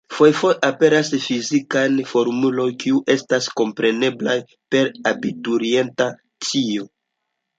Fojfoje aperas fizikaj formuloj, kiuj estas kompreneblaj per abiturienta scio.